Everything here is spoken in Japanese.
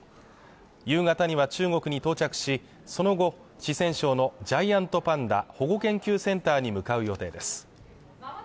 夕方には中国に到着し、その後、四川省のジャイアントパンダ保護研究センターに向かう予定です。